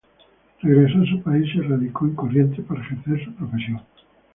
Regresó a su país y se radicó en Corrientes para ejercer su profesión.